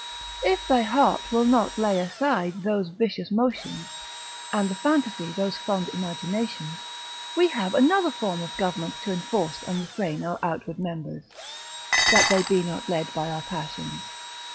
If the heart will not lay aside those vicious motions, and the fantasy those fond imaginations, we have another form of government to enforce and refrain our outward members, that they be not led by our passions.